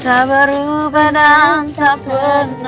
a ya sudah datang